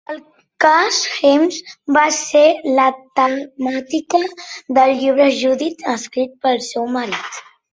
El cas Haimes va ser la temàtica del llibre "Judith", escrit pel seu marit.